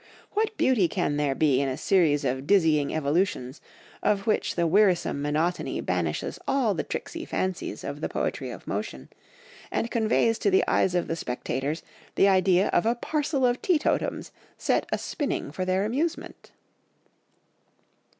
What beauty can there be in a series of dizzying evolutions, of which the wearisome monotony banishes all the tricksy fancies of the poetry of motion, and conveys to the eyes of the spectators the idea of a parcel of teetotums set a spinning for their amusement?"